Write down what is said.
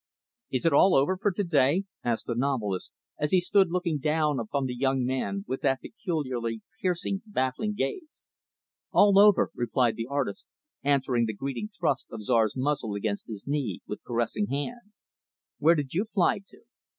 "Is it all over for to day?" asked the novelist as he stood looking down upon the young man with that peculiarly piercing, baffling gaze. "All over," replied the artist, answering the greeting thrust of Czar's muzzle against his knee, with caressing hand. "Where did you fly to?"